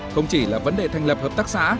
không chỉ là vấn đề thành lập hợp tác xã